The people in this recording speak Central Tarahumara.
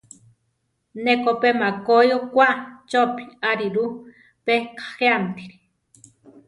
Ne ko pe makói okwá chopí ariru, pe kajéamtiri.